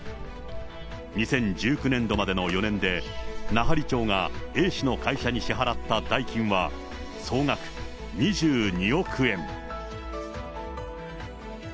２０１９年度までの４年で、奈半利町がＡ氏の会社に支払った代金は、総額２２億円。